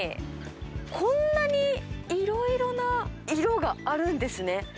こんなにいろいろな色があるんですね。